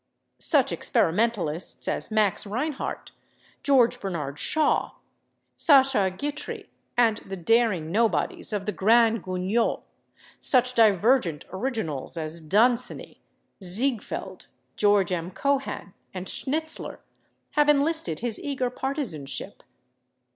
Such experimentalists as Max Reinhardt, George Bernard Shaw, Sasha Guitry and the daring nobodies of the Grand Guignol, such divergent originals as Dunsany, Ziegfeld, George M. Cohan and Schnitzler, have enlisted his eager partisanship.